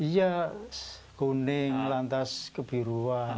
iya kuning lantas kebiruan